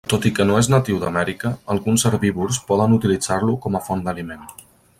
Tot i que no és natiu d'Amèrica, alguns herbívors poden utilitzar-lo com a font d'aliment.